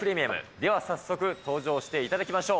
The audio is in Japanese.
では早速、登場していただきましょう。